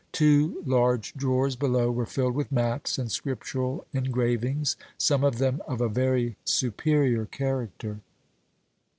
Two large drawers below were filled with maps and scriptural engravings, some of them of a very superior character.